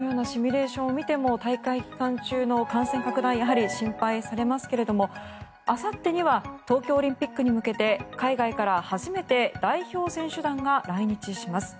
このようなシミュレーションを見ても大会期間中の感染拡大やはり心配されますけれどあさってには東京オリンピックに向けて海外から初めて代表選手団が来日します。